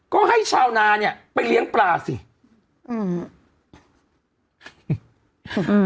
ก็ให้ชาวนาเนี้ยไปเลี้ยงปลาสิอืม